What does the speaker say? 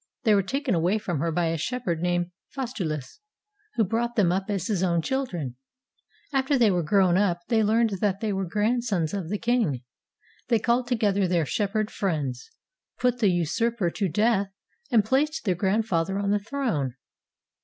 They were taken away from her by a shep herd named Faustulus, who brought them up as his own chil dren. After they were grown up, they learned that they were grandsons of the king. They called together their shepherd friends, put the usurper to death, and placed their grand father on the throne.